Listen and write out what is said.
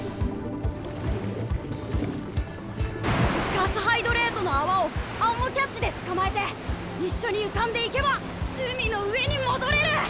ガスハイドレートの泡をアンモキャッチで捕まえて一緒に浮かんでいけば海の上に戻れる！